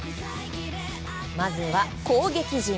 まずは攻撃陣。